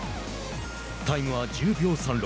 タイムは１０秒３６。